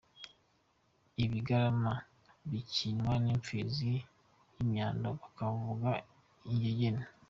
Ibigarama bikimywa n’imfizi y’inyambo hakavuka ingegene.